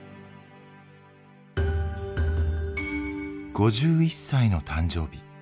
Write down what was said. ５１歳の誕生日。